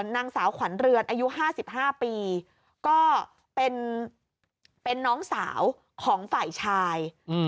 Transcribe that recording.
นางสาวขวัญเรือนอายุ๕๕ปีก็เป็นน้องสาวของฝ่ายชาย